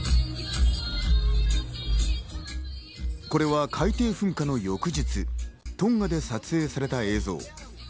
これは海底噴火の翌日、トンガで撮影された映像。